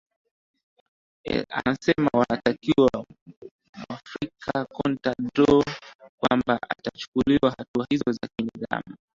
esema wanatakiwa wamwarifu conta doo kwamba atachukuliwa hatua hizo za kinidhamu